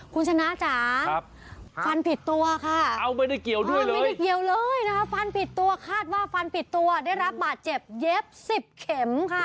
คุณชนะจ๋าฟันผิดตัวค่ะไม่ได้เกี่ยวด้วยเลยฟันผิดตัวคาดว่าฟันผิดตัวได้รับบาดเจ็บเย็บ๑๐เข็มค่ะ